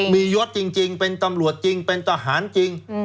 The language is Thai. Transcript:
มียศจริงเป็นตำรวจจริงเป็นทหารจริง